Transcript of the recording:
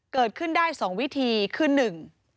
เกิดขึ้นได้สองวิธีคือหนึ่ง